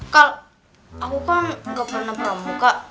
kal aku kan gak pernah peramuka